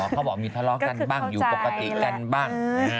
เขาบอกมีทะเลาะกันบ้างอยู่ปกติกันบ้าง